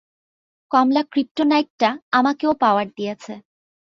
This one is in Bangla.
কমলা ক্রিপ্টোনাইটটা আমাকেও পাওয়ার দিয়েছে।